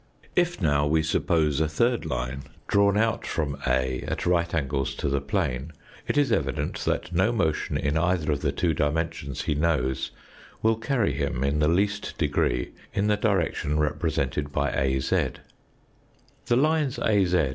If now we suppose a third line drawn out from A at right angles to the plane it is evident that no motion in either of the two dimensions he knows will carry him in the least degree in the ^"^^ Z direction represented by A z.